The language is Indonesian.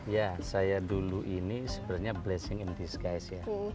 ya saya dulu ini sebenarnya blessing in disguise ya